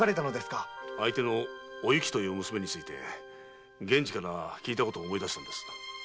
相手のおゆきという娘について源次に聞いたことを思い出して。